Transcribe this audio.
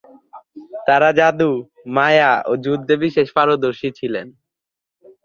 তারা জাদু, মায়া ও যুদ্ধে বিশেষ পারদর্শী ছিলেন।